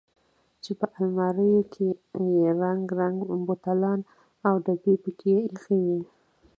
چې په الماريو کښې يې رنګ رنګ بوتلان او ډبکې پکښې ايښي وو.